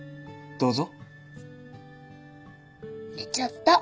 どうぞ。